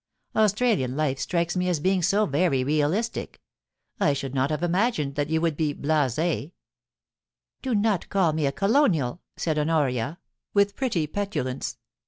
* Australian life strikes me as being so very realistic I should not have imagined that you would be blasU,^ * Do not call me a colonial^ said Honoria, with pretty i 1 54 FOLIC Y AND PASSION, petulance.